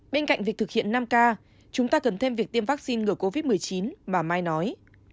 bên cạnh việc thực hiện năm k chúng ta cần thêm việc tiêm vaccine ngừa covid một mươi chín mà mai nói